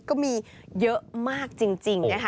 ก็มีเยอะมากจริงนะคะ